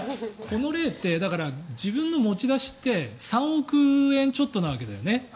この例って自分の持ち出しって３億円ちょっとなわけだよね。